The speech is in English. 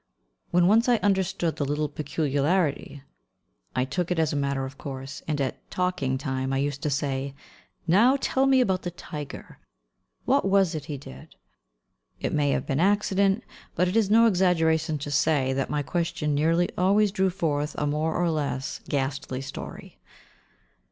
When once I understood the little peculiarity, I took it as a matter of course, and at talking time I used to say, "Now tell me about the tiger: what was it he did?" It may have been accident, but it is no exaggeration to say that my question nearly always drew forth a more or less ghastly story.